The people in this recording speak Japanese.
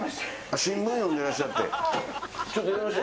新聞読んでらっしゃって。